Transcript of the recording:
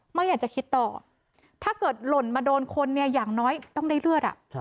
ไม่อยากจะคิดต่อถ้าเกิดหล่นมาโดนคนเนี่ยอย่างน้อยต้องได้เลือด